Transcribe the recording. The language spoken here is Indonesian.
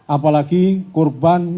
apalagi korban yang diberikan